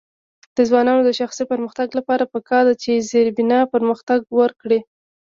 د ځوانانو د شخصي پرمختګ لپاره پکار ده چې زیربنا پرمختګ ورکړي.